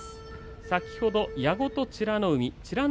先ほどの矢後と美ノ海美ノ